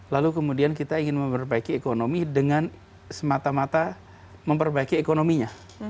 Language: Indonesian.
lalu kemudian kita ingin memperbaiki ekonomi dengan semata mata memperbaiki ekonominya